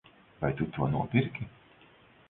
Vai tu to nopirki?